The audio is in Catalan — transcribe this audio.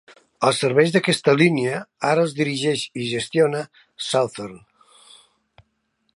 Els serveis d'aquesta línia ara els dirigeix i gestiona Southern.